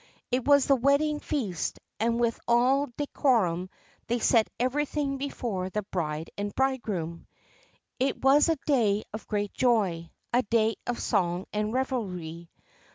It was the wedding feast, and with all decorum they set everything before the bride and bridegroom. It was a day of great joy, a day of song and revelry.